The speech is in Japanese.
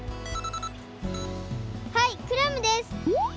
はいクラムです！